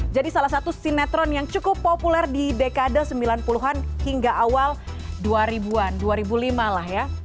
jadi salah satu sinetron yang cukup populer di dekade sembilan puluh an hingga awal dua ribu an dua ribu lima lah ya